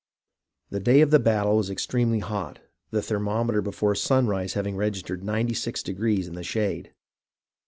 The day of the battle was extremely hot, the thermom eter before sunrise having registered 96° in the shade